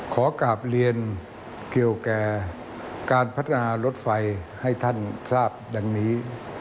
ขอกลับเรียนเกี่ยวแก่การพัฒนารถไฟให้ท่านทราบดังนี้